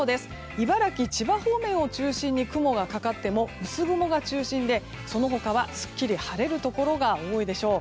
茨城、千葉方面を中心に雲がかかっても薄雲が中心でその他はすっきり晴れるところが多いでしょう。